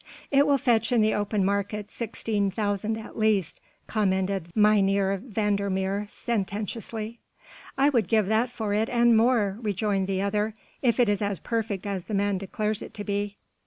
"It will fetch in the open market sixteen thousand at least," commented Mynheer van der Meer sententiously. "I would give that for it and more," rejoined the other, "if it is as perfect as the man declares it to be."